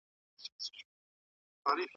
آیا پېړۍ تر لسیزي اوږده ده؟